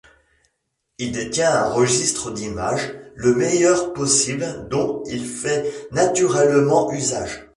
Il détient un registre d'images, le meilleur possible, dont il fait naturellement usage.